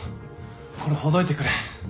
これほどいてくれ。